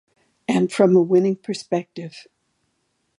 And from a winning perspective.